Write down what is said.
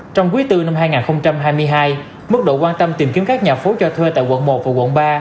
trong quý bốn năm hai nghìn hai mươi hai mức độ quan tâm tìm kiếm các nhà phố cho thuê tại quận một và quận ba